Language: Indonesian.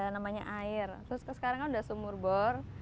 namanya air terus sekarang kan sudah sumur bor